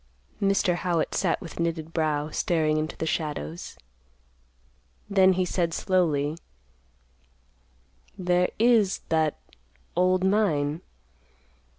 Mr. Howitt sat with knitted brow, staring into the shadows. Then he said slowly, "There is that old mine.